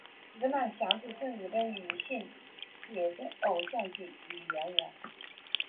日南响子是日本女性写真偶像及女演员。